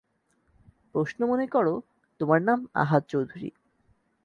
প্রশ্ন মনে করো, তোমার নাম আহাদ চৌধুরী।